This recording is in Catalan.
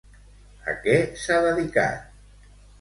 A què s'ha dedicat?